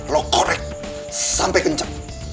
lo korek sampai kenceng